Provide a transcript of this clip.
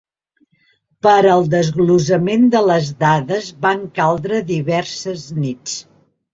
Per al desglossament de les dades van caldre diverses nits.